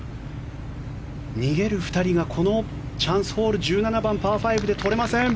逃げる２人がこのチャンスホール１７番、パー５で取れません。